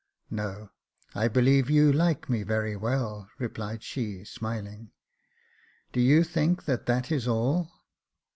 " No ; I believe you like me very well," replied she, smiling. " Do you think that that is all